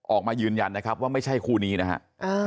ออกมายืนยันนะครับว่าไม่ใช่คู่นี้นะครับ